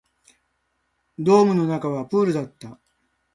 ドームの中はプールだった